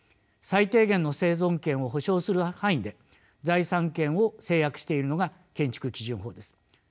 最低限の生存権を保障する範囲で財産権を制約しているのが建築基準法です。